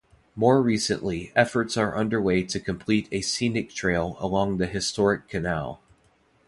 More recently, efforts are underway to complete a scenic trail along the historic canal.